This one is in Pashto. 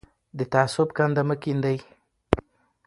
د تعصب کنده مه کیندئ.